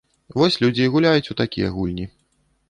Вось людзі і гуляюць у такія гульні.